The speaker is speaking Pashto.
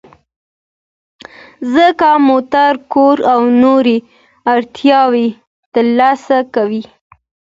ځکه موټر، کور او نورې اړتیاوې ترلاسه کوئ.